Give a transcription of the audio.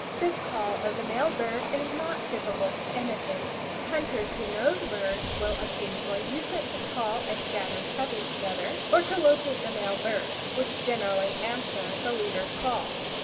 This call of the male bird is not difficult to imitate. Hunters who know the birds will occasionally use it to call a scattered covey together, or to locate the male birds, which generally answer the leader's call.